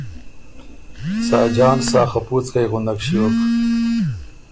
ساجان سا خپُوڅکئ غُندک ݭیوک